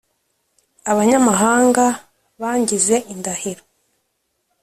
Abanyamahanga bangize indahiro.